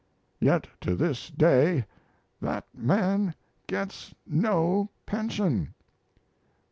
Yet to this day that man gets no pension.